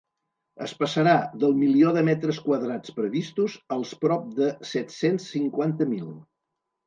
Es passarà del milió de metres quadrats previstos als prop de set-cents cinquanta mil.